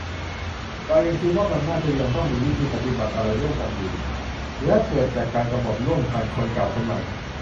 เรายังคิดว่ามันน่าจะยังต้องมีวิธีปฏิบัติอะไรร่วมกันอยู่ - และเกิดจากการกำหนดร่วมกัน คนเก่า คนใหม่